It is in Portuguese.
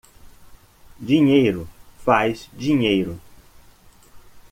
Dinheiro faz dinheiro